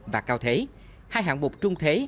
và cao thế hai hạng bục trung thế